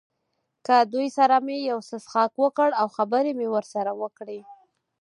له دوی سره مې یو څه څښاک وکړ او خبرې مې ورسره وکړې.